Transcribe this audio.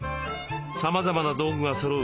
さまざまな道具がそろう